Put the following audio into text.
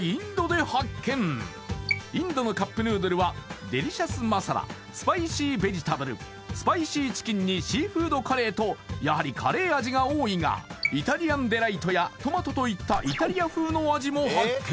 インドのカップヌードルはデリシャスマサラスパイシーベジタブルスパイシーチキンにシーフードカレーとやはりカレー味が多いがイタリアンデライトやトマトといったイタリア風の味も発見